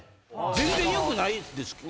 全然よくないですけど。